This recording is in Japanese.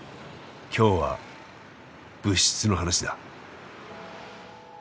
今日は「物質」の話だ。